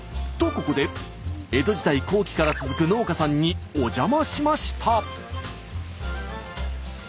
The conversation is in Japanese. ここで江戸時代後期から続く農家さんにお邪魔しました。